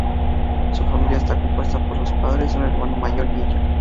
Su familia está compuesta por sus padres, un hermano mayor y ella.